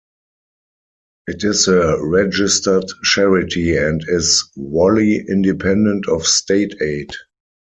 It is a registered charity and is wholly independent of state aid.